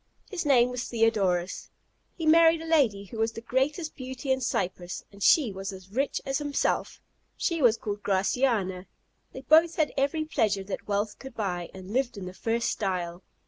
His name was Theodorus: he married a lady who was the greatest beauty in Cyprus, and she was as rich as himself; she was called Graciana. They both had every pleasure that wealth could buy, and lived in the first style.